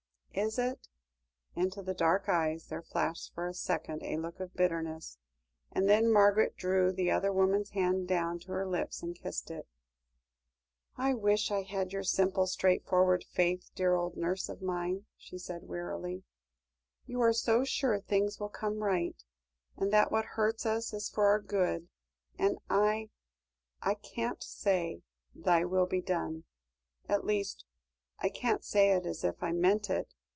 "Is it?" Into the dark eyes there flashed for a second a look of bitterness, and then Margaret drew the other woman's hand down to her lips, and kissed it. "I wish I had your simple straightforward faith, dear old nurse of mine," she said wearily; "you are so sure things will come right, and that what hurts us is for our good. And I I can't say, 'Thy will be done'; at least, I can't say it as if I meant it.